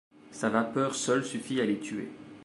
Sa vapeur seule suffit à les tuer.